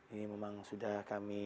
ini memang sudah kami